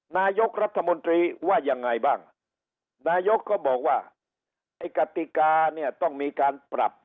นายกรัฐมนตรีว่ายังไงบ้างนายกก็บอกว่าไอ้กติกาเนี่ยต้องมีการปรับ